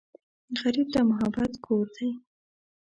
غریب ته محبت کور دی